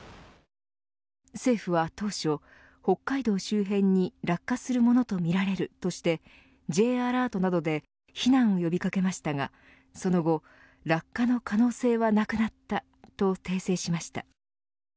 政府は当初、北海道周辺に落下するものとみられるとしてＪアラートなどで避難を呼び掛けましたがその後、落下の可能性はなくなったと訂正しました。